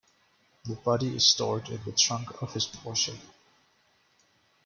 The body is stored in the trunk of his Porsche.